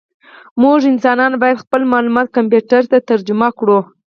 موږ انسانان باید خپل معلومات کمپیوټر ته ترجمه کړو.